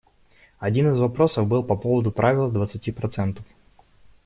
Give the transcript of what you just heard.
Один из вопросов был по поводу правила двадцати процентов.